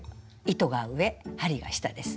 糸が上針は下です。